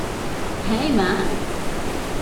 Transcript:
Hey, man!